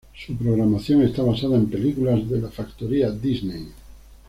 Su programación está basada en películas de la factoría Disney.